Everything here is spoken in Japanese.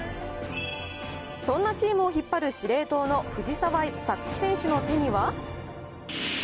そんなチームを引っ張る司令塔の藤澤五月選手の手には。